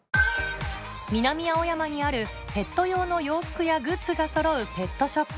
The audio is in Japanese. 南青山にあるペット用の洋服やグッズがそろうペットショップ